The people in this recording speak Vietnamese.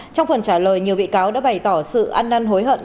trong phần trả lời nhiều bị cáo đã bày tỏ sự ăn năn hối hận